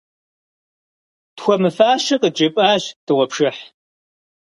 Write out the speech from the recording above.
Тхуэмыфащэ къыджепӀащ дыгъуэпшыхь.